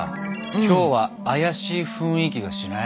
今日は怪しい雰囲気がしない？